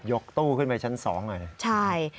ยกตู้ขึ้นไปชั้น๒หน่อยนะครับใช่